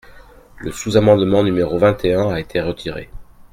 Le sous-amendement numéro vingt et un a été retiré.